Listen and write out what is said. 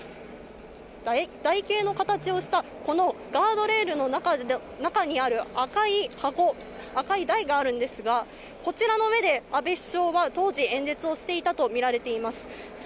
台形の形をした、このガードレールの中にある赤い箱、赤い台があるんですが、こちらの上で安倍元首相は当時、演説をしていたとみられています。